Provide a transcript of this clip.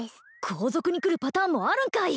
後続に来るパターンもあるんかい！